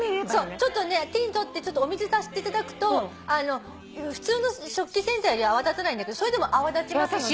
ちょっとね手に取ってお水足していただくと普通の食器洗剤より泡立たないんだけどそれでも泡立ちますので。